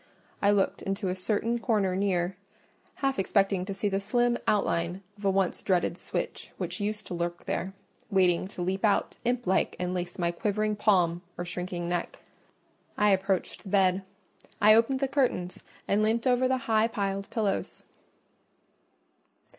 I looked into a certain corner near, half expecting to see the slim outline of a once dreaded switch which used to lurk there, waiting to leap out imp like and lace my quivering palm or shrinking neck. I approached the bed; I opened the curtains and leant over the high piled pillows.